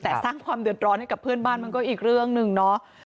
แต่สร้างความเดือดร้อนให้กับเพื่อนบ้านมันก็อีกเรื่องหนึ่งเนาะ